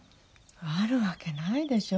あるわけないでしょ？